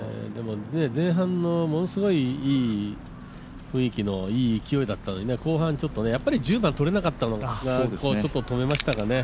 前半のものすごい、いい雰囲気の、いい勢いだったのに、後半ちょっとね、やっぱり１０番取れなかったのがちょっと止めましたかね。